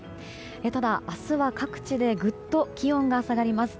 ただ明日は各地でぐっと気温が下がります。